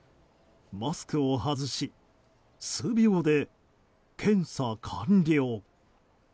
マスクを外し、数秒で検査完了。